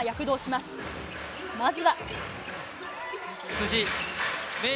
まずは。